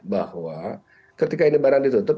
bahwa ketika ini barang ditutup